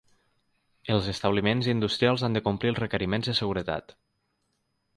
Els establiments industrials han de complir els requeriments de seguretat.